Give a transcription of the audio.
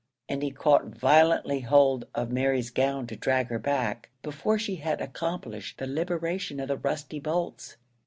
And he caught violently hold of Mary's gown to drag her back, before she had accomplished the liberation of the rusty bolts.